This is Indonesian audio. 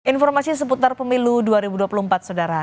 informasi seputar pemilu dua ribu dua puluh empat saudara